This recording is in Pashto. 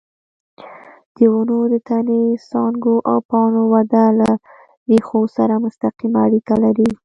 د ونو د تنې، څانګو او پاڼو وده له ریښو سره مستقیمه اړیکه لري.